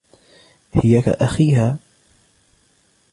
هي كأخيها.